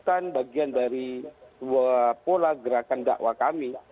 masukan bagian dari pola gerakan dakwa kami